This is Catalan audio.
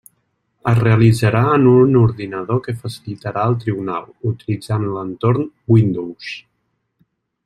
Es realitzarà en un ordinador que facilitarà el tribunal, utilitzant l'entorn Windows.